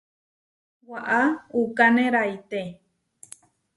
Waʼá uʼkane raité.